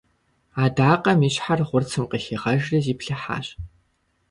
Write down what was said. Адакъэм и щхьэр гъурцым къыхигъэжри зиплъыхьащ.